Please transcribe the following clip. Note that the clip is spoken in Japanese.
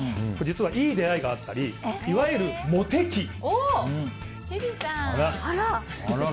実はいい出会いがあったりいわゆるモテ期。